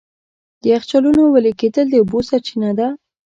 د یخچالونو وېلې کېدل د اوبو سرچینه ده.